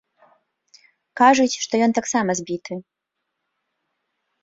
Кажуць, што ён таксама збіты.